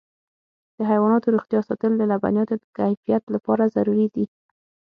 د حیواناتو روغتیا ساتل د لبنیاتو د کیفیت لپاره ضروري دي.